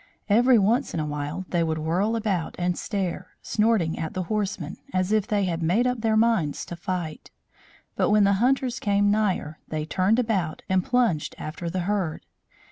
Every once in a while they would whirl about and stare, snorting at the horsemen, as if they had made up their minds to fight; but when the hunters came nigher, they turned about and plunged after the herd.